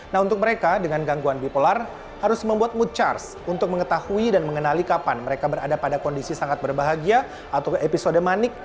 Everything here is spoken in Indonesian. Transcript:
nah untuk mereka dengan gangguan bipolar harus membuat mood charge untuk mengetahui dan mengenali kapan mereka berada pada kondisi sangat berbahagia atau episode manik